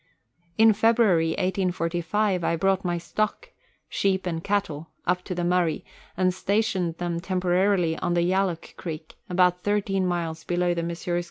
In February 1845, 1 brought my stock (sheep and cattle) up to the Murray, and stationed them temporarily on the Yalloak Creek, about thirteen miles below the Messrs.